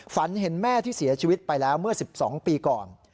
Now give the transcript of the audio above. ฝันเห็นแม่ที่เสียชีวิตไปแล้วเมื่อ๑๒ปีก่อน